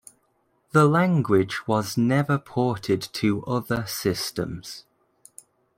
The language was never ported to other systems.